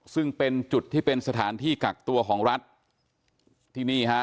ซึ่งเป็นจุดที่เป็นสถานที่กักตัวของรัฐที่นี่ฮะ